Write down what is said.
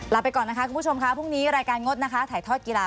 ไปก่อนนะคะคุณผู้ชมค่ะพรุ่งนี้รายการงดนะคะถ่ายทอดกีฬา